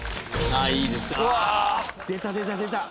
出た出た出た。